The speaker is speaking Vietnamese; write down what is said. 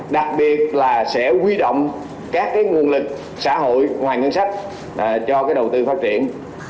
đặc biệt là sẽ quy động các nguồn lực xã hội ngoài ngân sách cho cái đầu tư phát triển